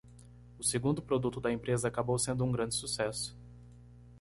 O segundo produto da empresa acabou sendo um grande sucesso.